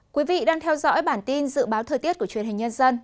quý vị đang theo dõi bản tin dự báo thời tiết của truyền hình nhân dân